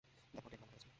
দেখো, dead man উঠে গেছে।